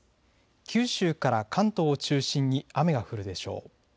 九州から関東を中心に雨が降るでしょう。